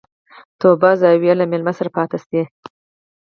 _توابه زويه، له مېلمه سره پاتې شه.